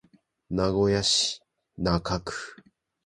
名古屋市中区